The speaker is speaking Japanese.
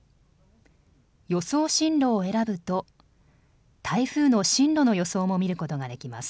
予想進路を選ぶと台風の進路の予想も見ることができます。